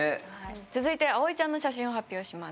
続いて葵ちゃんの写真を発表します。